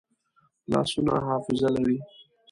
لاسونه حافظه لري